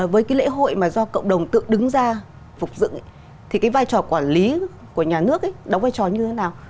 với cái lễ hội mà do cộng đồng tự đứng ra phục dựng thì cái vai trò quản lý của nhà nước ấy đóng vai trò như thế nào